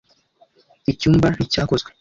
Icyumba nticyakozwe.